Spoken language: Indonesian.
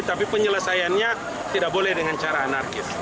tapi penyelesaiannya tidak boleh dengan cara anarkis